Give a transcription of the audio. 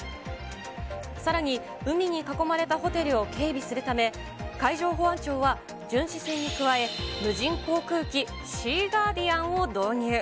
さらに、海に囲まれたホテルを警備するため、海上保安庁は巡視船に加え、無人航空機、シーガーディアンを導入。